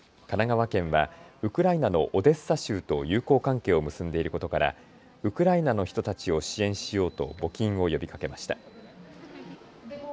神奈川県はウクライナのオデッサ州と友好関係を結んでいることからウクライナの人たちを支援しようと募金を呼びかけました。